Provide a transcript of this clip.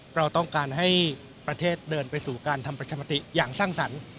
เราต้องการให้ประเทศเดินไปสู่การทำประชามติอย่างสร้างสรรค์